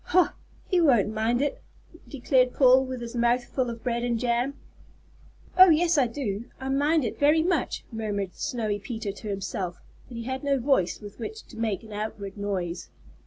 "Ho, he don't mind it!" declared Paul with his mouth full of bread and jam. "Oh, yes, I do I mind it very much," murmured Snowy Peter to himself; but he had no voice with which to make an outward noise.